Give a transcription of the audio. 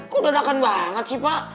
kok ledakan banget sih pak